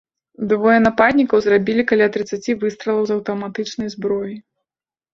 Двое нападнікаў зрабілі каля трыццаці выстралаў з аўтаматычнай зброі.